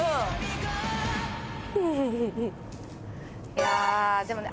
いやでもねあっ